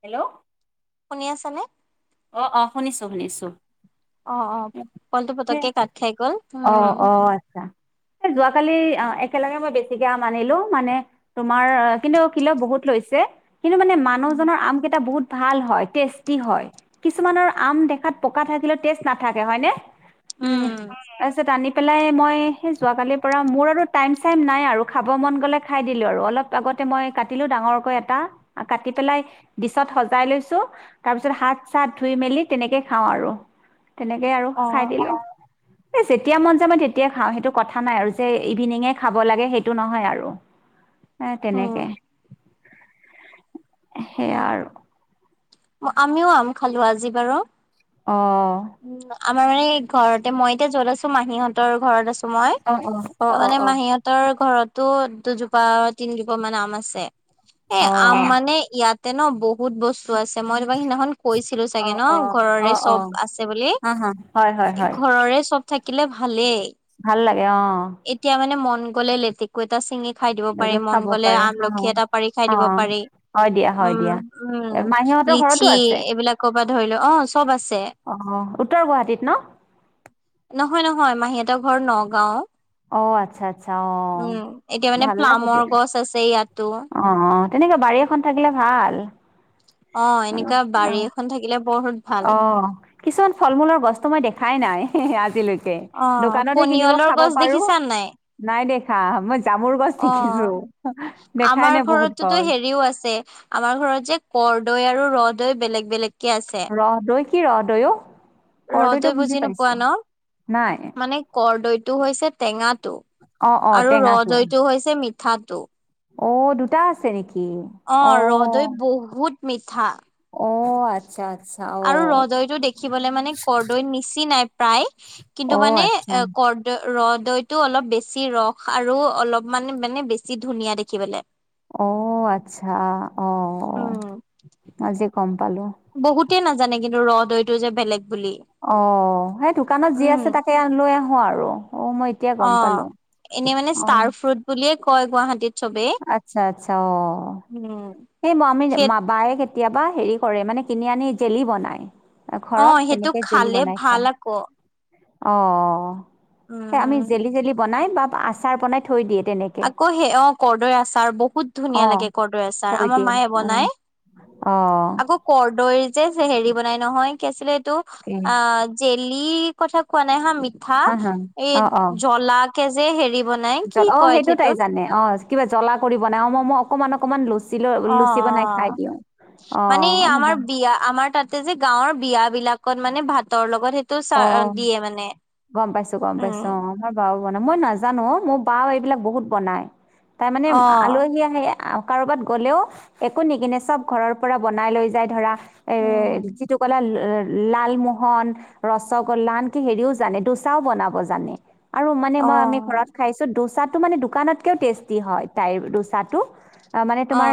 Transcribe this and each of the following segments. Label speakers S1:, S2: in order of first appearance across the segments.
S1: Hello
S2: শুনি আছে নে?
S1: অঁ অঁ শুনিছোঁ শুনিছোঁ।
S2: অঁ অঁ কলটো পতককে কাট খাই গল উম।
S1: হয় হয়। যোৱাকালি আঁ একেলগে মই বেছিকে আনিলোঁ মানে। তোমাৰ কিন্তু কিলো বহুত লৈছে। কিন্তু মানে মানুহজনৰ আম কেইটা বহুত ভাল হয় টেষ্টি হয়। কিছুমানৰ আম দেখাত পকা থাকিলেও টেষ্ট নাথাকে হয়নে উম, হয় তাৰপিছত আনি পেলাই মই সেই যোৱাকালিৰ পৰা মোৰ আৰু টাইম চাইম নাই আৰু খাব মন গ'লে খাই দিলোঁ আৰু। অলপ আগতে মই কাটিলো ডাঙৰকৈ এটা আ কাটি পেলাই ডিচত সজাই লৈছোঁ। তাৰ পিছত হাত চাত ধুই মেলি তেনেকে খাওঁ আৰু, তেনেকেই আৰু
S2: অ
S1: খাই
S2: অ
S1: দিলোঁ। এই যেতিয়া মন যায় মই তেতিয়াই খাওঁ সেইটো কথা নাই আৰু যে ইভিনিঙে খাব লাগে সেইটো নহয় আৰু। এ
S2: উম
S1: তেনেকে সেয়া আৰু।
S2: আমিও আম খালো আজি বাৰু।
S1: অঁ।
S2: উম আমাৰ মানে ঘৰতে মই এতিয়া য'ত আছো মাহীহঁতৰ ঘৰত আ ছো মই
S1: অ অ অ
S2: তাৰমানে
S1: অ অ
S2: মাহীহঁত হতৰ ঘৰতো দুজোপা তিনিজোপা মান আম আছে, এই আম মানে ইয়াত ইয়াতে ন বহুত বস্তু আছে মই তোমাক সিদিনাখন কৈছিলো
S1: অ অ
S2: চাগে ন
S1: অ অ
S2: ঘৰৰে
S1: অ
S2: চব আছে বুলি
S1: হা হা হয় হয় হয়
S2: ঘৰৰে চব থাকিলে ভালেই
S1: ভাল লাগে অ
S2: এতিয়া মানে মন গ'লে লেতে কু এটা চিঙি খাই দিব পাৰি
S1: তেনেকৈ
S2: মন
S1: খাব
S2: গলে
S1: পাৰে
S2: আমলখি
S1: হয়
S2: এটা পাৰি খাই দিব
S1: অ'
S2: পাৰি
S1: হয় দিয়া হয় দিয়া
S2: উম
S1: এ
S2: উম
S1: মাহীহঁতৰ ঘৰতো
S2: লিচি
S1: আছে
S2: এইবিলাকৰ পৰা ধৰি লোৱা অ চব আছে
S1: অ উত্তৰ গুৱাহাটীত ন
S2: নহয় নহয় মাহীহতৰ ঘৰ নগাঁও
S1: অ' আচ্ছা আচ্ছা অ'
S2: উম এতিয়া মানে
S1: ভাল লাগে দিয়া
S2: প্লামৰ গছ আছে ইয়াতো
S1: অ অ তেনেকে বাৰী এখন থাকিলে ভাল
S2: অ এনেকুৱা বাৰী
S1: অ'
S2: এখন থাকিলে বহুত ভাল
S1: অ কিছুমান ফল মূলৰ গছতো মই দেখাই নাই আজিলৈকে ত
S2: অ
S1: দোকানতহে কিনিব
S2: পনিয়লৰ
S1: খাব
S2: গছ
S1: পাৰো
S2: দেখিছা নাই
S1: নাই দেখা মই জামুৰ গছ
S2: অ
S1: দেখিছো দেখাই
S2: আমাৰ
S1: নে বহুত
S2: ঘৰতোতো
S1: গছ।
S2: হেৰিও আছে আমাৰ ঘৰত যে কৰদৈ আৰু ৰহদৈ বেলেগ বেলেগকে আছে
S1: ৰহদৈ কি ৰহদৈ অ কৰদৈটো
S2: ৰহদৈ বুজি নোপোৱা
S1: পাইছো
S2: ন
S1: নাই
S2: মানে কৰদৈটো হৈছে টেঙাটো
S1: অ' অ'
S2: আৰু
S1: টেঙাটো
S2: ৰহদৈটো হৈছে মিঠাটো
S1: অঁ দুটা আছে নেকি
S2: অ ৰহদৈ বহুত মিঠা
S1: অ আচ্ছা আচ্ছা
S2: আৰু
S1: অ',
S2: ৰহদৈতো দেখিবলৈ মানে কৰদৈৰ নিচিনা নাই প্ৰায় কিন্তু
S1: অ',
S2: মানে
S1: আচ্ছা
S2: কৰদ দ ৰহদৈতটো অলপ বেছি ৰস আৰু অলপমান মানে বেছি ধুনীয়া দেখিবলে
S1: অ আচ্ছা অ মজে গম পালো
S2: বহুতেই নাজানে কিন্তু ৰহদৈতটো যে বেলেগ বুলি
S1: অ সেই দোকানত যি
S2: উম,
S1: আছে তাকে আন লৈ আহো আৰু অ মই এতিয়া গম
S2: অ
S1: পালো।
S2: এনেই মানে
S1: অ',
S2: ষ্টাৰ ফ্ৰুট বুলিয়ে কয় গুৱাহাটীত চবেই।
S1: আচ্ছা আচ্ছা অ
S2: উম
S1: সেই ম আমি
S2: সেই
S1: মায়ে কেতিয়াবা হেৰি কৰে মানে কিনি আনি জেলি বনায় ঘৰত
S2: অ', সেইটো
S1: তেনেকে জেলি
S2: খালে
S1: বনাই
S2: ভাল
S1: থয়
S2: আকৌ
S1: অ স আমি
S2: উম।
S1: জেলি জেলি বনাই বা আচাৰ বনাই থৈ দিয়ে তেনেকে
S2: আকৌ সেই অ কৰৰ্দৈৰ আচাৰ বহুত ধুনীয়া
S1: অ',
S2: লাগে কৰদৈ আছাৰ
S1: থৈ
S2: আমাৰ
S1: দিয়ে
S2: মায়ে
S1: অ',
S2: বনাই আকৌ কৰদৈৰ যে হেৰি বনাই নহয় কি আছিলে এইটো
S1: অ',
S2: আ জেলি কথা কোৱা নাই হা মিঠা
S1: হা হা
S2: এই
S1: অ অ
S2: জলা কেজে হেৰি বনাই
S1: জ
S2: কি
S1: অ সেইটো তাই জানে অ কিবা জ্বলা কৰি বনাই অ মই মই অকনমান অকনমান লৈছো
S2: অ অ
S1: অ
S2: মানে আমাৰ বিয়া আমাৰ তাত যে গাঁৱৰ বিয় বিলাকত মানে ভাতৰ লগত সেইটো চ
S1: অ
S2: দিয়ে মানে
S1: গম পাইছো গম পাইছো
S2: উম
S1: অ আ মমাৰ বাও বনাই মই নাজানো অ মোৰ বাও এইবিলাক বহুত বনাই তাই মানে
S2: অ
S1: আলহী আহি কাৰোবাত গ'লেও একো নিকনে চব ঘৰৰ পৰা বনাই লৈ যায় ধৰা এ
S2: উম
S1: যিটো কলা লালমোহন ৰসগোল্লা আন কি হেৰিও জানে দুচাও বনাব জানে আৰু
S2: অ
S1: মানে খাইছো দোচাটো মানে দোকানতকৈ টেষ্টি হয় তাইৰ দোচটো। মানে
S2: অ
S1: তোমাৰ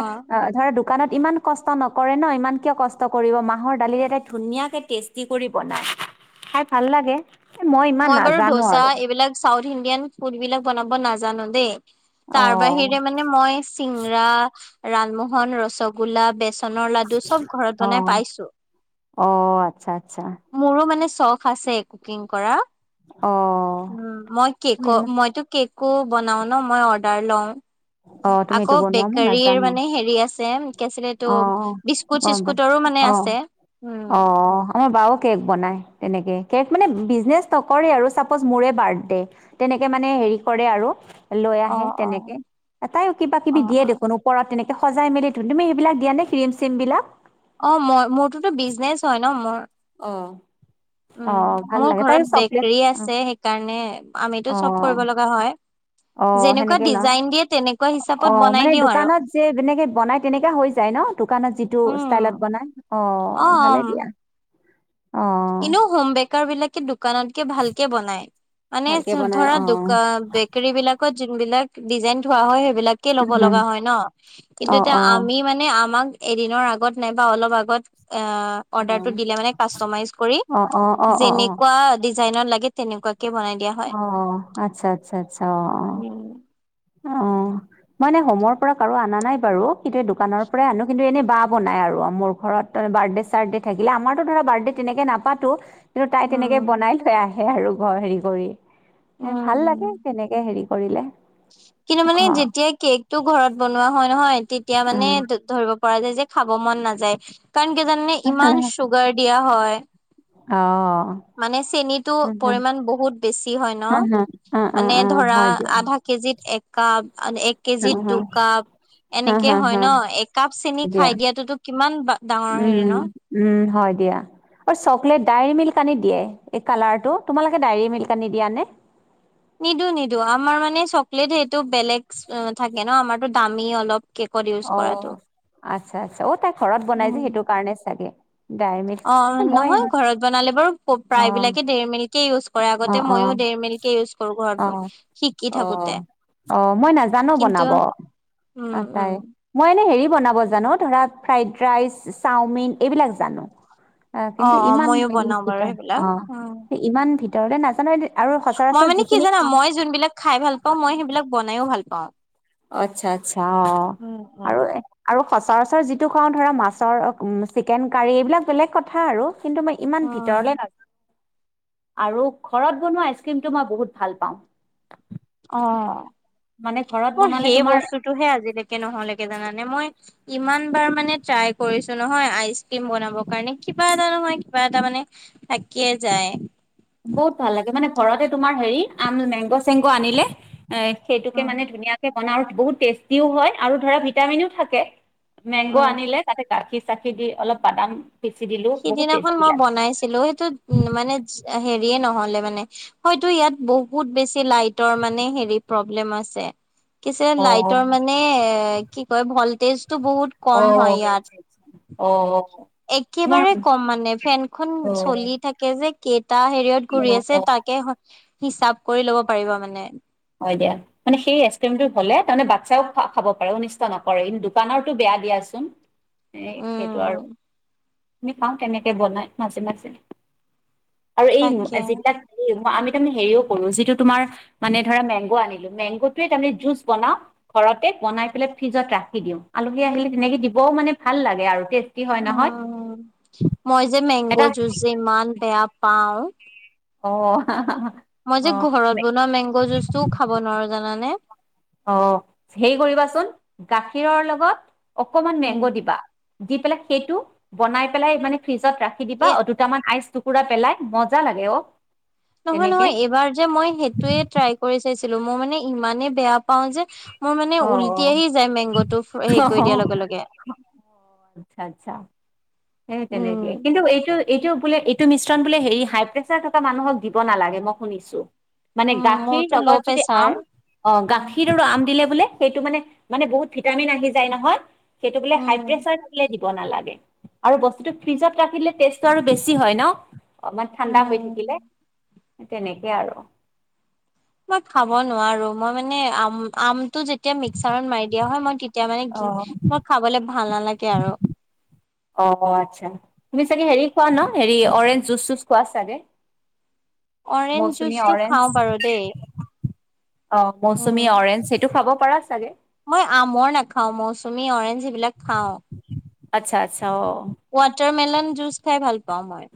S1: ধৰা দোকানত ইমান কষ্ট নকৰে ন। ইমান কিয় কষ্ট কৰিব মাহৰ দালি এটা ধুনীয়াকে টেষ্ট। কি কৰি বনাই? খাই ভাল লাগে। এ ইমান
S2: মই বাৰু
S1: নাজানো
S2: ধোচা
S1: আৰু
S2: এইবিলাক চাউথ ইণ্ডিয়ান ফুডবিলাক বনাব নাজানো দেই।
S1: অ
S2: তাৰ বাহিৰে মানে মানে মই চিঙৰা, লালমোহন, ৰসগোল্লা, বেচ চনৰ লাডু চব ঘৰত
S1: অ
S2: বনাই পাইছোঁ।
S1: অ আচ্ছা আচ্ছা
S2: মোৰো মানে চখ আছে কুকিং কৰা।
S1: অ!
S2: উম! মই কেক মইতো কেকো বনাও ন মই অৰ্ডাৰ লওঁ।
S1: অ তুমি
S2: আকৌ
S1: এইটো বনোৱা মই
S2: বেকাৰীৰ
S1: নাজানো
S2: মানে হেৰি আছে কি আছিল
S1: অ
S2: এইটো বিচ
S1: গম পাই
S2: বিস্কুট-চিস্কুটৰো মানে
S1: অ
S2: আছে
S1: অ
S2: উম।
S1: আমাৰ বাও কেক বনায় তেনেকে। কেক মানে বিজনেছ নকৰে আৰু চাপজ মোৰে বাৰ্থডে। তেনেকে মানে হেৰি কৰে আৰু লৈ
S2: অ
S1: আহে
S2: অ
S1: তেনেকে তাইও
S2: অ
S1: কিবাকিবি দিয়ে
S2: অ
S1: দেখোন। পৰাত তেনেকৈ সজাই মেলি ধু [unintelligible] তুমি সেইবিলাক দিয়া নে ক্ৰীম চিমবিলাক?
S2: অঁ মই মোৰটোতো বিজনেচ হয় ন মোৰ।
S1: অঁ!
S2: উম। মোৰ ঘৰত বেকেৰি
S1: অ
S2: আছে, সেইকাৰণে আমিতো
S1: অ
S2: চব কৰিব লগা হয়।
S1: অ!
S2: যেনেকুৱা
S1: সেনেকে ল।
S2: ডিজাইন দিয়ে তেনেকুৱা
S1: অ!
S2: হিচাপত বনাই
S1: মানে
S2: দিওঁ আৰু
S1: দোকানত যে যেনেকে বনাই তেনেকে হৈ যায় ন? দোকানত যিটো
S2: উম
S1: ষ্টাইলত বনাই। অ! ভালেই দিয়া। অঁ!
S2: এনেও হোম বেকাৰ বিলাকে দোকানতকে ভালকে বনাই। মানে
S1: ভালকে বনাই
S2: ধৰা
S1: অ
S2: দোকা বেকাৰী বিলাকত যোনবিলাক ডিজাইন থোৱা হয়, সেইবিলাক কে ল'ব
S1: উম,
S2: লগা হয় ন। কিন্তু
S1: অ
S2: এতিয়া
S1: অ
S2: আমি মানে আমাক এদিনৰ আগত নাইবা অলপ আগত অঁ
S1: অ
S2: অৰ্ডাৰটো দিলে মানে কাষ্টমাইজ
S1: অ অ অ
S2: [unintelligible]
S1: অ
S2: যেনেকুৱা ডিজাইনত লাগে তেনেকুৱাকে বনাই দিয়া হয়
S1: অ! আচ্ছা-আচ্ছা-আচ্ছা অ!
S2: উম
S1: অঁ। মই এনে হোমৰ পৰা কাৰো আনা নাই বাৰু। কিন্তু এই দোকানৰ পৰাই আনো কিন্তু এনে বা বনাই আৰু মোৰ ঘৰত। ত বাৰ্থডে-চাৰ্থডে থাকিলে। আমাৰটো ধৰা বাৰ্থডে তেনেকে নাপাতো। কিন্তু তাই তেনেকে
S2: উম
S1: বনাই লৈ আহে আৰু ঘৰ হেৰি কৰি।
S2: উম
S1: ভাল
S2: উম
S1: লাগে তেনেকে হেৰি কৰিলে।
S2: কিন্তু মানে
S1: ঘৰ
S2: যেতিয়া কেকটো ঘৰত বনোৱা হয় নহয়, তেতিয়া মানে
S1: উম
S2: ধৰিব পৰা যায় যে খাব মন নাযায়। কাৰণ কিয় জানানে ইমান চুগাৰ দিয়া হয়।
S1: অ!
S2: মানে চেনিতো
S1: হুম, হুম,
S2: পৰিমাণ বহুত বেছি হয় ন।
S1: হুম, হুম, অ', অ',
S2: মানে
S1: অ',
S2: ধৰা
S1: হয় দিয়া।
S2: আধা কেজিত এক কাপ, এক
S1: হুম,
S2: কেজিত
S1: হুম,
S2: দুকাপ।
S1: হুম,
S2: এনেকে
S1: হুম,
S2: হয় ন।
S1: হুম,
S2: একাপ চেনি
S1: দিয়া।
S2: খাই দিয়াতো কিমান ডাঙৰ হেৰি ন।
S1: উম! হয় দিয়া। আৰু চকলেট ডায়েৰী মিল্ক আনি দিয়ে এই কালাৰটো। তোমালোকে ডায়েৰী মিল্ক আনি দিয়া‌ নে?
S2: নিদো-নিদো। আমাৰ মানে চকলেট সেইটো বেলেগ থাকে ন, আমাৰতো দামী অলপ। কেকত ইউজ
S1: অ!
S2: কৰাটো
S1: আচ্ছা-আচ্ছা। অ! তাই ঘৰত বনাই যে সেইটো কাৰণে চাগে। Dairy milk.
S2: অঁ!
S1: এ মই অ',
S2: নহয় ঘৰত বনালে বাৰু
S1: অ',
S2: প্ৰায়বিলাকে ডেৰী মিল্ক কে ইউজ কৰে।
S1: অ',
S2: আগতে মইও ডেৰী মিল্কে ইউজ কৰো ঘৰত
S1: অ',
S2: শিকি থাকোঁতে।
S1: অ', অ! মই নাজানো বনাব। অ', তাই।
S2: উম-উম।
S1: মই এনেই হেৰি বনাব জানো ধৰা ফ্ৰাইড ৰাইচ, চাওমিন এইবিলাক জানো। অ কিন্তু
S2: অ
S1: ইমান
S2: মইয়ো
S1: হেৰি
S2: বনাও বাৰু
S1: ভিতৰ
S2: সেইবিলাক উম
S1: অ ইমান ভিতৰতে নাজানো আৰু
S2: মই
S1: সচৰাচৰ
S2: মানে কি
S1: যিখিনি
S2: জানা
S1: খাওঁ
S2: মই জোনবিলাক খাই ভাল পাওঁ মই সেইবিলাক বনাইও ভাল পাওঁ।
S1: অ আচ্ছা আচ্ছা অ
S2: উম উম
S1: আৰু আৰু সচৰাচৰ যিটো খাওঁ ধৰা মাছৰ চিকেন কাৰী, এইবিলাক বেলেগ কথা আৰু কিন্তু মই ইমান
S2: উম
S1: ভিতৰলে নাযা আৰু ঘৰত বনোৱা আইচক্ৰীমটো মই বহুত ভাল পাওঁ।
S2: অ
S1: মানে ঘৰত
S2: মোৰ
S1: বনালে
S2: সেই
S1: তোমাৰ
S2: বস্তুটোহে আজিলৈকে নহলেগে জানানে মই ইমান বাৰ মানে ট্ৰাই কৰিছো নহয় আইচ ক্ৰীম বনাবৰ কাৰণে কিবা এটা নহয় কিবা এটা মানে থাকিয়ে যায়।
S1: বহুত ভাল লাগে মানে ঘৰতে তোমাৰ হেৰি আম মেংগ চেংগ আনিলে এ সেইটোকে
S2: উম
S1: মানে ধুনীয়াকে বনাওঁ বহুত টেষ্টিও হয় আৰু ধৰা ভিটামিনও থাকে। মেংগ
S2: উম
S1: আনিলে তাতে গাখীৰ চাখিৰ দি অলপ বাদাম পিচি দিলো বহুত টেষ্টি লাগে।
S2: হলেও সেইটোত মানে হেৰিয়ে নহলে মানে। হয়তো ইয়াত বহুত বেছি লাইটৰ মানে হেৰি প্ৰব্লেম আছে। কি হৈছে
S1: অ',
S2: লাইটৰ মানে এ কি কয় ভল্টেজটো বহুত
S1: অ
S2: কম হয় ইয়াত।
S1: অ। তোমাৰ
S2: একেবাৰে কম মানে ফেনখন চলি
S1: অ',
S2: থাকে যে কেইটা হেৰিয়ত ঘূৰি
S1: অ',
S2: আছে
S1: অ
S2: তাকে হিচাপ কৰি ল'ব পাৰিবা মানে।
S1: হয় দিয়া। মানে সেই আইচক্ৰীমটো হ'লে তাৰ মানে বাচ্ছাও খাব পাৰে অনিষ্ট নকৰে দোকানৰতো বেয়া দিয়াচোন। [unintelligible] এ সেইটো আৰু
S2: উম
S1: আমি খাওঁ তেনেকে বনাই মাজে মাজে। আৰু এই
S2: তাকে
S1: যিবিলাক আমি তাৰমানে হেৰিও কৰো যিটো তোমাৰ মানে ধৰা মেংগ' আনিলো মেংগটোয়ে তাৰমানে জুচ বনাওঁ ঘৰতে বনাই পেলাই ফ্ৰিজত ৰাখি দিওঁ আলহী আহিলে তেনেকে দিবও মানে ভাল লাগে আৰু। হয় নহয়
S2: উম মই যে মেংগ'
S1: এটা
S2: জুচ যে ইমান বেয়া পাওঁ।
S1: অ হা হা হা
S2: মই যে ঘৰত বনোৱা মেংগ' জুচটোও খাব নোৱাৰো জানানে।
S1: অ হেৰি কৰিবাচোন গাখীৰৰ লগত অকমান
S2: উম
S1: মেংগ দিবা। দি পেলাই সেইটো বনাই পেলাই মানে ফ্ৰিজত ৰাখি দিবা
S2: এ
S1: অটোত দুটামান আইচ টুকুৰা পেলাই মজা লাগে অ।
S2: নহয়
S1: তেনেকে
S2: নহয় এইবাৰ যে মই সেইটোয়ে ট্ৰাই কৰি চাইছিলো মই মানে ইমানেই বেয়া পাও যে মোৰ মানে
S1: অ
S2: উল্টি আহি যায় মেংগ টো
S1: অ
S2: হেৰি
S1: অ
S2: কৰি দিয়াৰ লগে লগে।
S1: আচ্ছা আচ্ছা সেই তেনেকে।
S2: উম
S1: কিন্তু এইটো এইটো বোলে এইটো মিশ্ৰণ বোলে হেৰি হাই প্ৰেচাৰ থকা মানুহক দিব নালাগে মই শুনিছো। মানে
S2: উম
S1: গাখীৰ
S2: মোৰতো
S1: লগত
S2: ল'
S1: যদি
S2: প্ৰেছাৰ
S1: আম অ
S2: উম
S1: গাখীৰ আৰু আম দিলে বোলে সেইটো মানে মানে বহুত ভিটামিন আহি যায় নহয় সেইটো বোলে হাই প্ৰেচাৰ থাকিলে দিব নালাগে। আৰু বস্তুটো ফ্ৰিজত ৰাখিলে টেষ্টটো আৰু বেছি হয় ন অলপমান ঠাণ্ডা হৈ
S2: উম
S1: থাকিলে। তেনেকে আৰু।
S2: মই খাব নোৱাৰো মই মানে আম আমটো যেতিয়া মিক্সাৰত মাৰি দিয়া হয় মই তে তেতিয়া মানে মোৰ খাবলে ভাল নালাগে আৰু
S1: অ আচ্ছা তুমি চাগে হেৰি খোৱা ন হেৰি অৰেঞ্জ জুচ চুচ খোৱা চাগে।
S2: অৰেঞ্জ
S1: মৌচুমী,
S2: জুচটো
S1: অৰেঞ্জ
S2: খাও বাৰু দেই
S1: অ
S2: উম
S1: মৌচুমী অৰেঞ্জ সেইটো খাব পাৰা চাগে।
S2: মই আমৰ নাখাও মৌচুমী অৰেঞ্জ এইবিলাক খাও।
S1: আচ্ছা, আচ্ছা অঁ।
S2: ৱাটাৰ মেলন জুচ খাই ভাল পাওঁ, মই-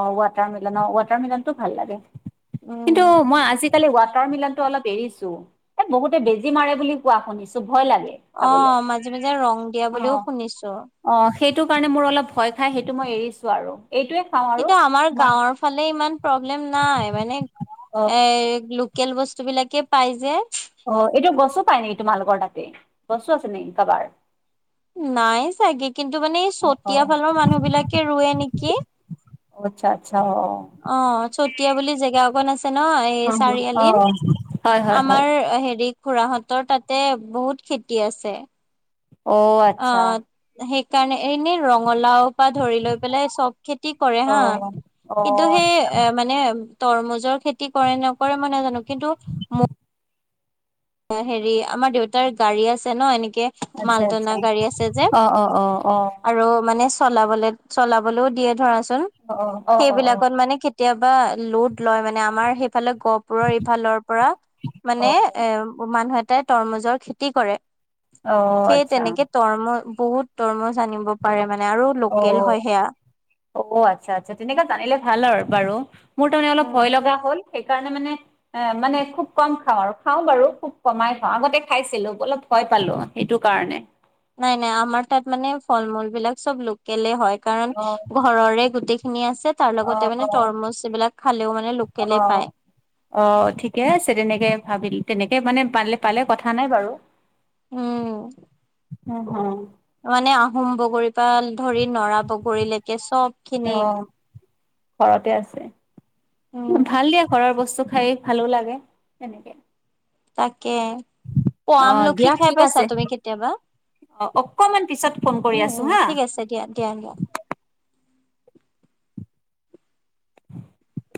S1: অঁ, ৱাটাৰ মিলন অঁ, ৱাটাৰ মিলনতটো ভাল লাগে কিন্তু
S2: উম
S1: মই আজি- আযিকালি ৱাটাৰ মিলনটো, অলপ এৰিছো এ, বহুতে বেজি মাৰে বুলি কোৱা শুনিছোঁ। ভয় লাগে। খাবলে
S2: অঁ, মাজে মাজে ৰং দিয়া বুলিও শুনিছোঁ।
S1: অঁ, সেইটো কাৰণে মোৰ অলপ ভয় খাই, সেইটো মই এৰিছো আৰু এইটোৱে- খাওঁ আৰু
S2: কিন্তু আমাৰ
S1: মই
S2: গাঁৱৰ ফালে ইমান প্ৰব্লেম নাই, মানে
S1: অ
S2: এই লোক- লোকেল বস্তু বিলাকে পাই যে।
S1: অঁ এইটো গছো পাই নেকি তোমালোকৰ তাতে গছো, আছে নেকি কাবাৰ।
S2: নাই চাগে, কিন্তু মানে এই
S1: অ অ
S2: চতিয়া ফালৰ মানুহ বিলাকে ৰুৱে নেকি।
S1: অঁ আচ্ছা, আচ্ছা অঁ।
S2: অঁ, চতিয়া বুলি জেগা অকন আছে ন, এই
S1: অ অ
S2: চাৰিআলিত।
S1: হয় হয় হয়
S2: আমাৰ হেৰি খুৰাহঁতৰ তাতে বহুত খেতি আছে।
S1: অ আচ্ছা
S2: অঁ, সেইকাৰণে এনেই ৰঙালাও- পা ধৰি লৈ পেলাই চব খেতি কৰে
S1: অ
S2: হা
S1: অ
S2: কিন্তু সেই এ, মানে- তৰমুজৰ খেতি কৰে নকৰে মই নাজানো, কিন্তু ত- হেৰি আমাৰ দেউতাৰ গাড়ী আছে ন এনেকে-
S1: আচ্ছা
S2: মালটনা
S1: আচ্ছা
S2: গাড়ী আছে যে
S1: অঁ অঁ অঁ অঁ।
S2: আৰু মানে চলাবলে চলাবলৈও দিয়ে ধৰাচোন
S1: অ অ
S2: সেইবিলাকত মানে কে- কেতিয়াবা লোড লয় মানে আমাৰ সেইফালে গহপুৰৰ ইফালৰ পৰা
S1: অ
S2: মানে
S1: অ
S2: এ- ওমানহতে তৰমুজৰ খেতি কৰে
S1: অ',
S2: সেইয়
S1: আচ্ছা।
S2: তেনেকে তৰমুজ- বহুত তৰমজ আানিব পাৰে মানে আৰু লোকেল হয় সেয়া-
S1: অঁ আচ্ছা আচ্ছা তেনেকা জানিলে ভাল আৰু বাৰু মোৰ তাৰমানে অলপ ভয় লগা হ'ল। সেইকাৰণে মানে- এ মানে খুব কম খাওঁ আৰু খাওঁ বাৰু খুব কমাই খাওঁ আগতে খাইছিলো অলপ- হয়ঁ পালো সেইটো কাৰণে-
S2: নাই নাই আমাৰ তাত মানে ফল মূল বিলাক চব লোকেলে হয় কাৰণ
S1: অ',
S2: ঘৰৰে গোটেই- খিনি আছে তাৰ
S1: অ',
S2: লগতে মানে
S1: অ'।
S2: তৰমুজ এইবিলাক খালেও মানে লোকেলে পায়।
S1: অঁ ঠিকে আছে তেনেকে ভাবিলে তেনেকে মানে পালে পালে কথা নাই বাৰু-
S2: ওঁম।
S1: উমঁ, হম-
S2: মানে আহোম বগৰীৰ, পৰা ধৰি নৰা বগৰীলৈকে চব- খিনি
S1: অঁ ঘৰতে আছে
S2: উম
S1: ভাল দিয়া ঘৰৰ বস্তু খাই। ভালো লাগে তেনেকে-
S2: তাকে অঁ
S1: অ',
S2: আমলখি
S1: দিয়া
S2: খাই
S1: ঠিক
S2: পাইছা
S1: আছে
S2: তুমি কেতিয়াবা-
S1: অ', অকমান পিছত ফোন কৰি
S2: উমঁ
S1: আছো
S2: উমঁ
S1: হা।
S2: ঠিক আছে দিয়া দিয়া দনিয়ক।
S1: [inaudible] [inaudible]